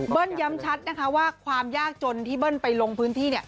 ย้ำชัดนะคะว่าความยากจนที่เบิ้ลไปลงพื้นที่